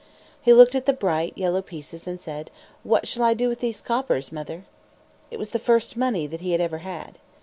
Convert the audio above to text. He looked at the bright, yellow pieces and said, "What shall I do with these coppers, mother?" It was the first money that he had ever had.